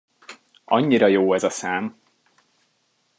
Annyira jó ez a szám!